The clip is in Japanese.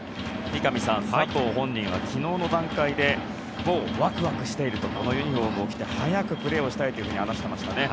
佐藤本人は昨日の段階でワクワクしているとこのユニホームを着て早くプレーをしたいと話していましたね。